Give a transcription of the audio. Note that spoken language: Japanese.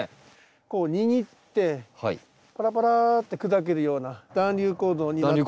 こう握ってパラパラって砕けるような団粒構造になって。